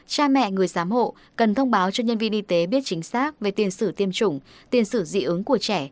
cha mẹ người giám hộ cần thông báo cho nhân viên y tế biết chính xác về tiền sử tiêm chủng tiền sử dị ứng của trẻ